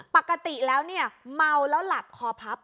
ปกติแล้วเนี่ยเมาแล้วหลับคอพับ